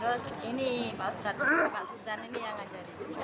terus ini pak ustadz pak suzan ini yang ajarin